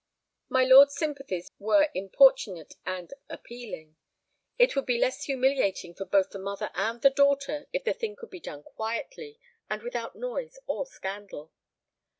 My lord's sympathies were importunate and appealing. It would be less humiliating for both the mother and the daughter if the thing could be done quietly, and without noise or scandal.